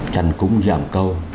trần cung giảm cầu